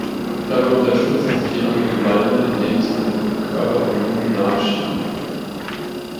Dabei unterstützen sie die anderen Beine, indem es den Körper von hinten „nachschieben“.